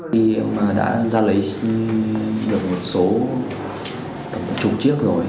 khi ông đã ra lấy được một số một chục chiếc rồi